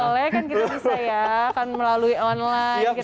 oh boleh kan kita bisa ya akan melalui online kita bersilaturahmi